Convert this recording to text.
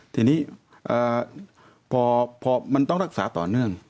ทีนี้พอมันต้องรักษาต่อเนื่อง